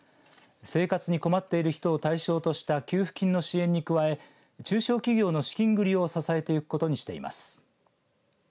生活に困っている人を対象とした給付金の支援に加え中小企業の資金繰りを支えていくことにしています。